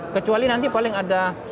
kecuali nanti paling ada